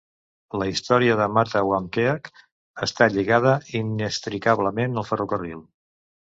La història de Mattawamkeag està lligada inextricablement al ferrocarril.